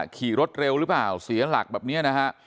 ขี่รถเร็วหรือเปล่าเสียหลักแบบนี้นะฮะ